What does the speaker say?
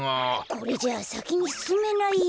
これじゃあさきにすすめないよ。